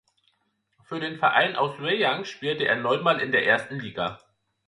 Für den Verein aus Rayong spielte er neunmal in der ersten Liga.